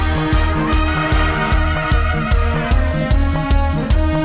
สวัสดีค่ะ